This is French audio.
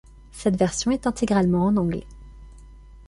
Cette version est intégralement en anglais.